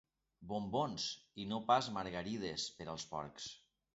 Bombons, i no pas margarides, per als porcs.